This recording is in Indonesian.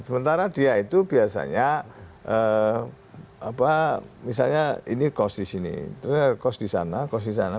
sementara dia itu biasanya misalnya ini kos di sini terus ada kos di sana kos di sana